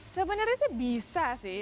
sebenarnya sih bisa sih